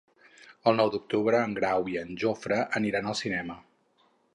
El nou d'octubre en Grau i en Jofre aniran al cinema.